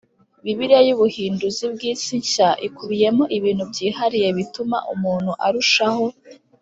Bibiliya y Ubuhinduzi bw isi nshya ikubiyemo ibintu byihariye bituma umuntu arushaho